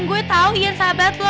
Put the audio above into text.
gue tau ian sahabat lo